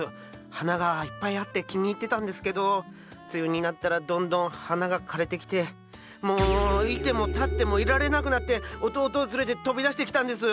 花がいっぱいあって気に入ってたんですけど梅雨になったらどんどん花が枯れてきてもう居ても立っても居られなくなって弟を連れて飛び出してきたんです。